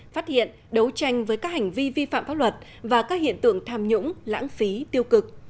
phát hiện đấu tranh với các hành vi vi phạm pháp luật và các hiện tượng tham nhũng lãng phí tiêu cực